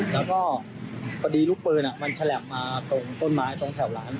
แล้วก็พอดีลูกปืนมันฉลับมาตรงต้นไม้ตรงแถวร้าน